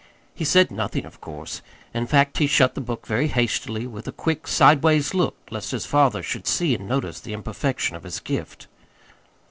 He said nothing, of course. In fact he shut the book very hastily, with a quick, sidewise look, lest his father should see and notice the imperfection of his gift.